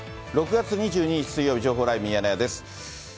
６月２２日水曜日、情報ライブミヤネ屋です。